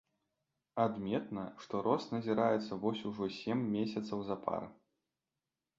Адметна, што рост назіраецца вось ужо сем месяцаў запар.